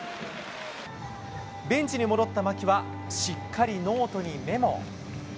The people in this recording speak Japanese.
ベンチに戻った牧は、しっかりノートにメモ。